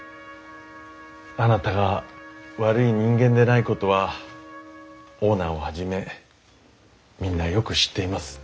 あなたが悪い人間でないことはオーナーをはじめみんなよく知っています。